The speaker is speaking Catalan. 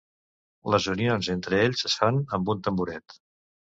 Les unions entre ells, es fan amb un tamboret.